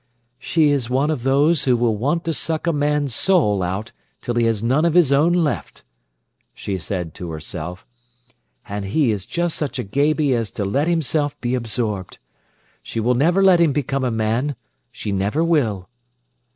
"She is one of those who will want to suck a man's soul out till he has none of his own left," she said to herself; "and he is just such a gaby as to let himself be absorbed. She will never let him become a man; she never will."